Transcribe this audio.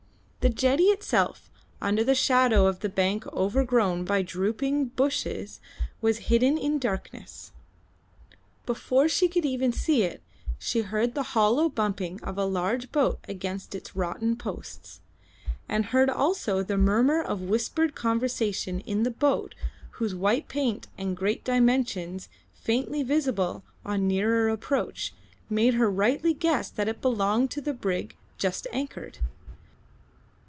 The jetty itself, under the shadow of the bank overgrown by drooping bushes, was hidden in darkness. Before even she could see it she heard the hollow bumping of a large boat against its rotten posts, and heard also the murmur of whispered conversation in that boat whose white paint and great dimensions, faintly visible on nearer approach, made her rightly guess that it belonged to the brig just anchored.